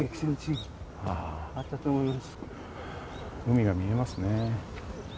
海が見えますね。